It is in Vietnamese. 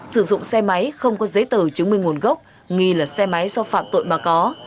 sử dụng xe máy không có giấy tờ chứng minh nguồn gốc nghi là xe máy do phạm tội mà có